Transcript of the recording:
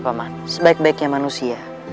adalah manusia yang baiknya manusia